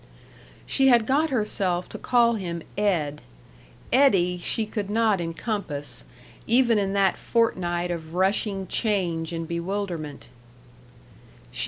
§ 3 She had got herself to call him "Ed." ... "Eddie" she could not encompass, even in that fortnight of rushing change and bewilderment.